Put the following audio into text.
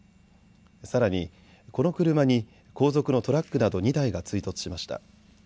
さらに、この車に後続のトラックなど２台が追突しました。